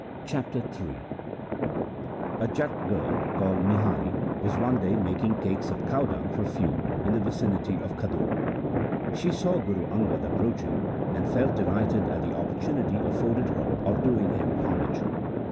Chapter III A J at girl called Nihali was one day making cakes of cow dung for fuel in the vicinity of Khadur. She saw Guru Angad approaching and felt delighted at the opportunity afforded her of doing him homage.